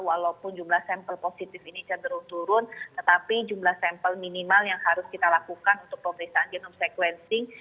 walaupun jumlah sampel positif ini cenderung turun tetapi jumlah sampel minimal yang harus kita lakukan untuk pemeriksaan genome sequencing